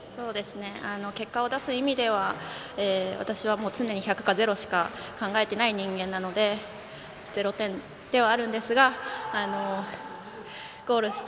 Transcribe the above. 結果を出す意味では私は常に百かゼロかしか考えていない人なので０点ではあるんですがゴールした